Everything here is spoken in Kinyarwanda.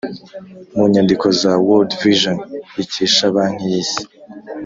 mu nyandiko za world vison ikesha banki y’ isi,